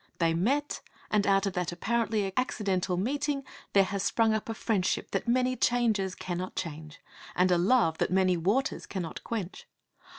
They met; and out of that apparently accidental meeting there has sprung up a friendship that many changes cannot change, and a love that many waters cannot quench.